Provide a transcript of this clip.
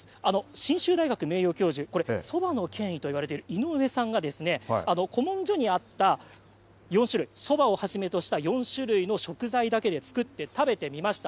信州大学名誉教授そばの権威といわれている井上さんが古文書にあった４種類、そばをはじめとした４種類の食材だけで作って食べてみました。